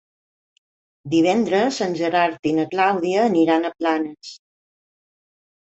Divendres en Gerard i na Clàudia aniran a Planes.